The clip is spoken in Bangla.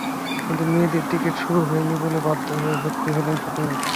কিন্তু মেয়েদের ক্রিকেট শুরু হয়নি বলে বাধ্য হয়ে ভর্তি হলেন শুটিংয়ে।